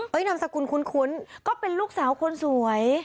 นามสกุลคุ้นก็เป็นลูกสาวคนสวย